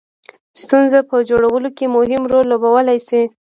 ستونزو په جوړولو کې مهم رول لوبولای شي.